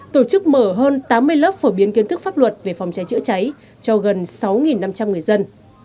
tổ chức mở hơn tám mươi lớp phổ biến kiến thức pháp luật về phòng cháy chữa cháy cho gần sáu năm trăm linh người dân